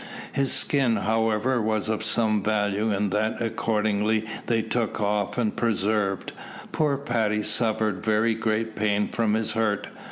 His skin, however, was of some value, and that accordingly they took off and preserved. Poor Paddy suffered very great pain from his hurt.